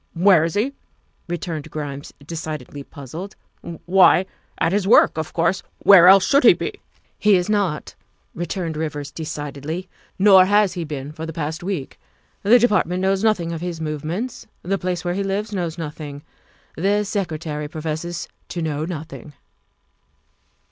" Where is he?" returned Grimes, decidedly puzzled, " why, at his work, of course. Where else should he be?" "He is not," returned Rivers decidedly, " nor has he been for the past week. The Department knows nothing of his movements; the place where he lives knows nothing; the Secretary professes to know nothing.